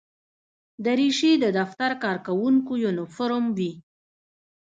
دریشي د دفتر کارکوونکو یونیفورم وي.